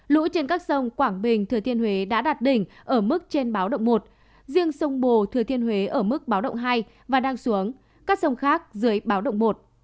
lũ trên các sông quảng bình thừa thiên huế đã đạt đỉnh ở mức trên báo động một riêng sông bồ thừa thiên huế ở mức báo động hai và đang xuống các sông khác dưới báo động một